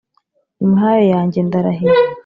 imihayo yanjye ndarahiye.